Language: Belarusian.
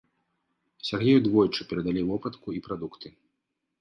Сяргею двойчы перадалі вопратку і прадукты.